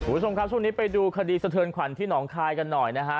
คุณผู้ชมครับช่วงนี้ไปดูคดีสะเทินขวัญที่หนองคายกันหน่อยนะฮะ